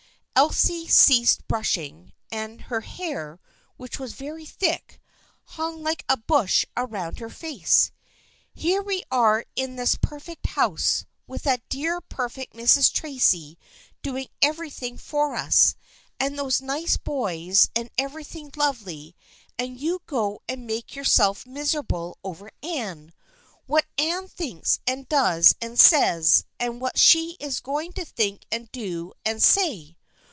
Elsie ceased brush ing, and her hair, which was very thick, hung like a bush around her face. " Here we are in this per fect house, with that dear perfect Mrs. Tracy doing everything for us, and those nice boys and every thing lovely, and you go and make yourself miser able over Anne — what Anne thinks and does and says, and what she is going to think and do and say